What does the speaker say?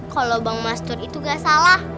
kalau bang mastur itu gak salah